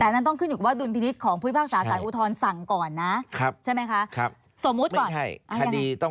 แต่นั่นต้องขึ้นอยู่กับว่าดุลพินิษฐ์ของ